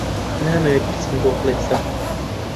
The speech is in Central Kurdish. نامەوێت بچم بۆ کڵێسا.